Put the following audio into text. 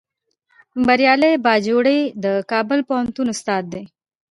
بریالی باجوړی د کابل پوهنتون استاد دی